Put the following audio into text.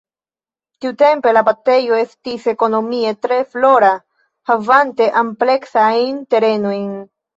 Tiutempe la abatejo estis ekonomie tre flora havante ampleksajn terenojn.